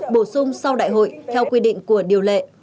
bổ sung sau đại hội theo quy định của điều lệ